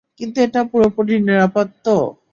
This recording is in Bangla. কিন্ত এটা পুরোপুরি নিরাপদ তো?